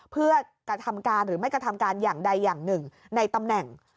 เพื่อกระทำการหรือไม่กระทำการอย่างใดอย่างหนึ่งในตำแหน่ง